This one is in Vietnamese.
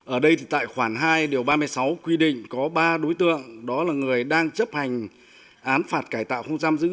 ở đây thì tại khoản hai điều ba mươi sáu quy định có ba đối tượng đó là người đang chấp hành án phạt cải tạo không giam giữ